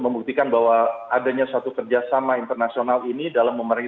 membuktikan bahwa adanya suatu kerjasama internasional ini dalam memarahi